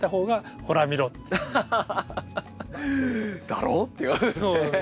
「だろ？」っていうわけですね。